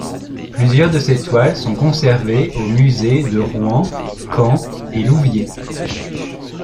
Plusieurs de ses toiles sont conservées aux musées de Rouen, Caen et Louviers.